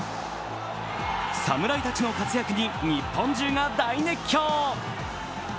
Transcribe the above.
サムライたちの活躍に日本中が大熱狂。